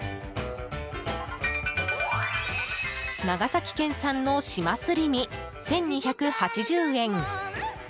長崎県産の島すり身１２８０円。